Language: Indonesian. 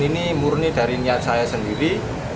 ini murni dari niat saya sendiri